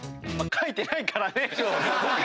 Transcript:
書いてないからね。